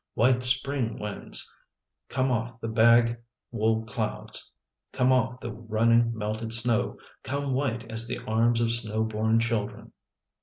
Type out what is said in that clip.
White spring winds, come off the bag wool clouds, come off the running melted snow, come white as the arms of snow born children.